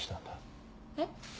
えっ？